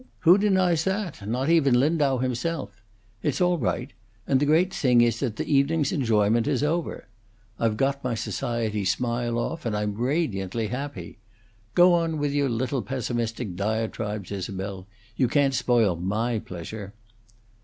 "Who denies that? Not even Lindau himself. It's all right. And the great thing is that the evening's enjoyment is over. I've got my society smile off, and I'm radiantly happy. Go on with your little pessimistic diatribes, Isabel; you can't spoil my pleasure."